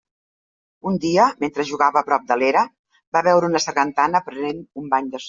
Un dia, mentre jugava prop de l'era, va veure una sargantana prenent un bany de sol.